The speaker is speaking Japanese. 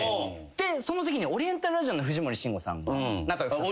でそのときにオリエンタルラジオの藤森慎吾さんが仲良くさせて。